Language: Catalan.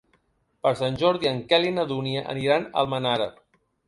Per Sant Jordi en Quel i na Dúnia aniran a Almenara.